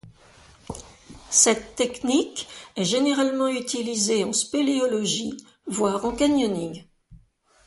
Cette technique est généralement utilisée en spéléologie voire en canyoning.